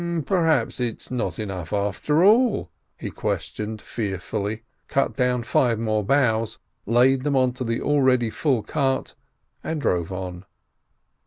"Perhaps it's not enough, after all?" he questioned fearfully, cut down five more boughs, laid them onto the already full cart, and drove on.